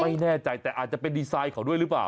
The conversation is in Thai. ไม่แน่ใจแต่อาจจะเป็นดีไซน์เขาด้วยหรือเปล่า